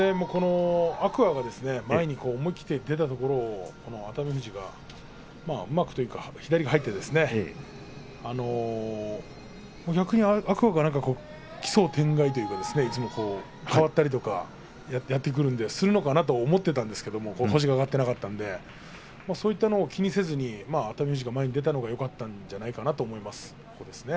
天空海が思い切って前に出たところを熱海富士がうまくというか左が入って逆に天空海が奇想天外というかいつも変わったりとかやってくるのでするのかなと思っていたんですが星が挙がっていなかったのでそういったものも気にせずに熱海富士が前に出たのがよかったんじゃないかなと思います。